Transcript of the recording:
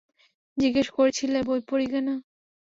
জিজ্ঞেস করেছিলে, বই পড়ি কিনা?